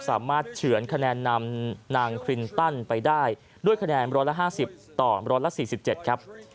สามารถเฉือนคะแนนนับนางคลินตันไปได้ด้วยคะแนนร้อนละห้าสิบต่อร้อนละสี่สิบเจ็ดครับ